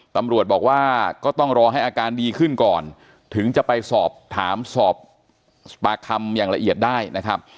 ตำรวจบอกว่าก็ต้องรอให้อาการดีขึ้นก่อนถึงจะไปสอบถามสอบปากคำอย่างละเอียดได้นะครับ